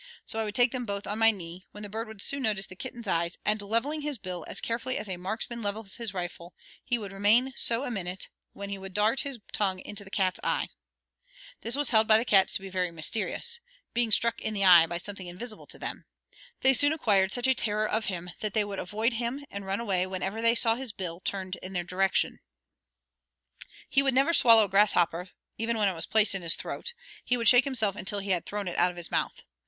So I would take them both on my knee, when the bird would soon notice the kitten's eyes, and leveling his bill as carefully as a marksman levels his rifle, he would remain so a minute when he would dart his tongue into the cat's eye. This was held by the cats to be very mysterious: being struck in the eye by something invisible to them. They soon acquired such a terror of him that they would avoid him and run away whenever they saw his bill turned in their direction. He never would swallow a grasshopper even when it was placed in his throat; he would shake himself until he had thrown it out of his mouth.